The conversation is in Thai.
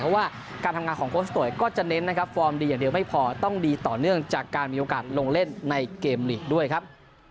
เพราะว่าการทำงานของโค้ชโตยก็จะเน้นนะครับฟอร์มดีอย่างเดียวไม่พอต้องดีต่อเนื่องจากการมีโอกาสลงเล่นในเกมลีกด้วยครับ